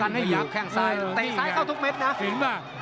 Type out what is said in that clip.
เต่นซ้ายเข้าทุกเม็ดนะ